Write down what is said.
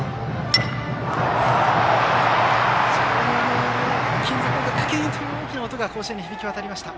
非常に金属音のカキン！という大きな音が甲子園に響き渡りました。